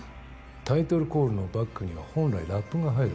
タイトルコールのバックには本来ラップが入るんだ。